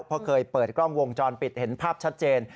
เพราะเคยเปิดกล้องวงจรปิดเห็นภาพชัดเจน